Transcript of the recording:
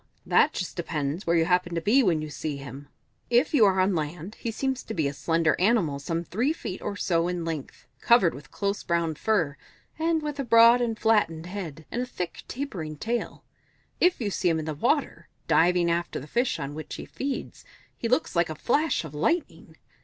That just depends where you happen to be when you see him. If you are on land, he seems to be a slender animal some three feet or so in length, covered with close brown fur, and with a broad and flattened head, and a thick, tapering tail; if you see him in the water, diving after the fish on which he feeds, he looks like a flash of lightning!